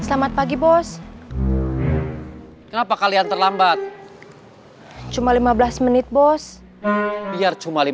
aku bahkan cari